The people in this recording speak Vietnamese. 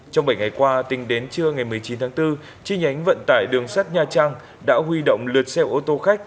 trong bảy ngày qua tính đến trưa ngày một mươi chín tháng bốn chi nhánh vận tải đường sắt nha trang đã huy động lượt xe ô tô khách